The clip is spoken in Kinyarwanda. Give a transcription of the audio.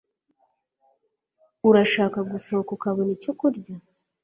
Urashaka gusohoka ukabona icyo kurya?